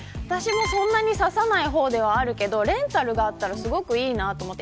あんまり差さない方だけどレンタルがあったらすごくいいなと思って。